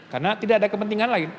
karena tidak ada kepentingan lain